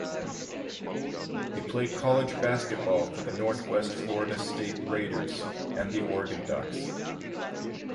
He played college basketball for the Northwest Florida State Raiders and the Oregon Ducks.